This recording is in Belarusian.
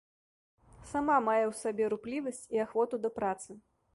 Сама мае ў сабе руплівасць і ахвоту да працы.